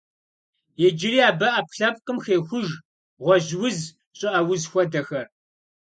Иджыри абы ӏэпкълъэпкъым хехуж гъуэжь уз, щӏыӏэ уз хуэдэхэр.